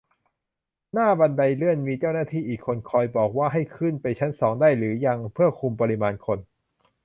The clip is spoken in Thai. หน้าบันไดเลื่อนมีเจ้าหน้าที่อีกคนคอยบอกว่าให้ขึ้นไปชั้นสองได้หรือยัง เพื่อคุมปริมาณคน